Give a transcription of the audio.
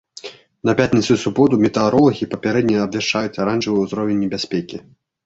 На пятніцу і суботу метэаролагі папярэдне абвяшчаюць аранжавы ўзровень небяспекі.